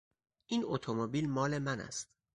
این اتومبیل مال من است.